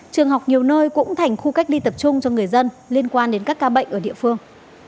trường học nhiều nơi cũng thành khu cách ly tập trung cho người dân liên quan đến các ca bệnh ở địa phương